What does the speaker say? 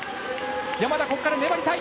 山田、ここから粘りたい。